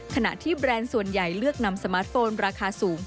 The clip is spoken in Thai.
ขณะที่แบรนด์ส่วนใหญ่เลือกนำสมาร์ทโฟนราคาสูง